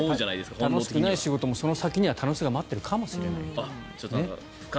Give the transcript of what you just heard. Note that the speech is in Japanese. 楽しくない仕事もその先には楽しさが待っているかもしれない。